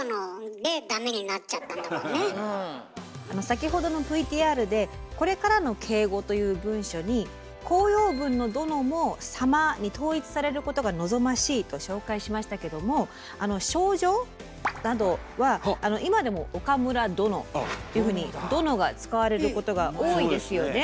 先ほどのＶＴＲで「これからの敬語」という文書に「公用文の『殿』も『様』に統一されることが望ましい」と紹介しましたけども賞状などは今でも「岡村殿」というふうに「殿」が使われることが多いですよね。